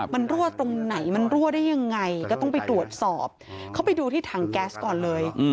มันรั่วตรงไหนมันรั่วได้ยังไงก็ต้องไปตรวจสอบเขาไปดูที่ถังแก๊สก่อนเลย